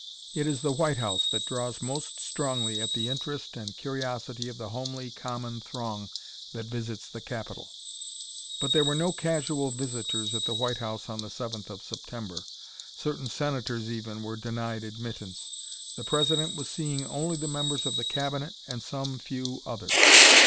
It is the White House that draws most strongly at the interest and curiosity of the homely, common throng that visits the capital. But there were no casual visitors at the White House on the seventh of September. Certain Senators, even, were denied admittance. The President was seeing only the members of the Cabinet and some few others.